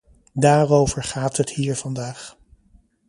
Daarover gaat het hier vandaag.